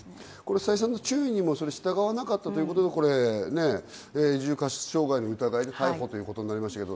再三の注意にも従わなかったということで、重過失傷害の疑いで逮捕ということになりました。